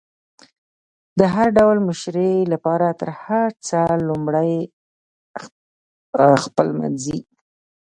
د هر ډول مشري لپاره تر هر څه لمړی خپلمنځي